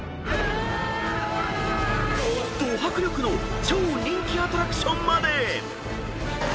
［ど迫力の超人気アトラクションまで］